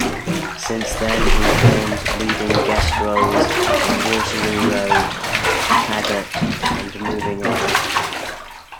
Since then he filmed leading guest roles in "Waterloo Road", "Taggart" and "Moving On".